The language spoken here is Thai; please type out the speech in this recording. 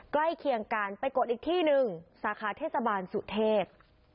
เคียงกันไปกดอีกที่หนึ่งสาขาเทศบาลสุเทพ